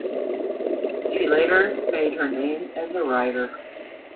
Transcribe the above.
She later made her name as a writer.